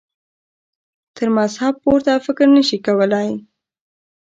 تر مذهب پورته فکر نه شي کولای.